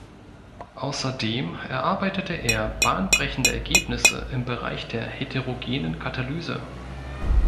Außerdem erarbeitete er bahnbrechende Ergebnisse im Bereich der heterogenen Katalyse.